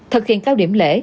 thực hiện cao điểm lễ